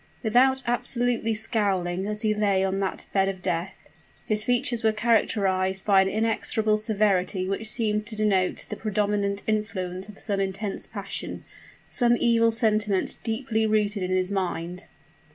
Without absolutely scowling as he lay on that bed of death, his features were characterized by an inexorable severity which seemed to denote the predominant influence of some intense passion some evil sentiment deeply rooted in his mind.